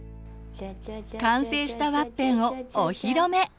完成したワッペンをお披露目！